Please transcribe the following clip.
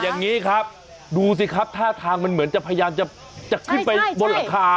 อย่างนี้ครับดูสิครับท่าทางมันเหมือนจะพยายามจะขึ้นไปบนหลังคา